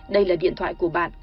đây là điện thoại của bạn